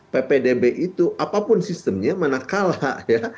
ppdb itu apapun sistemnya mana kalah ya